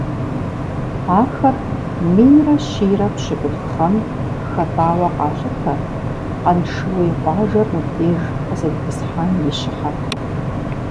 Ахэр минрэ щийрэ пщыкӀутху гъэм хатӀауэ къалъытэ, Къаншыуей къуажэр мыбдеж къызэритӀысхьам и щыхьэту.